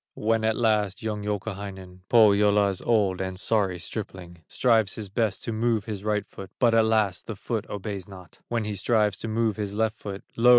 When at last young Youkahainen, Pohyola's old and sorry stripling, Strives his best to move his right foot, But alas! the foot obeys not; When he strives to move his left foot, Lo!